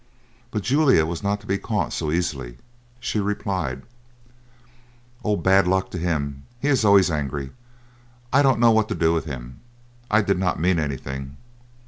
But Julia was not to be caught so easily. She replied: "Oh, bad luck to him, he is always angry. I don't know what to do with him. I did not mean anything."